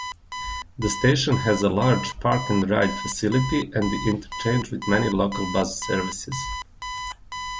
The station has a large park-and-ride facility and interchange with many local bus services.